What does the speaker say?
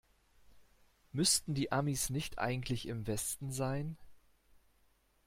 Müssten die Amis nicht eigentlich im Westen sein?